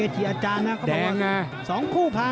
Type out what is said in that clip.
ติดตามยังน้อยกว่า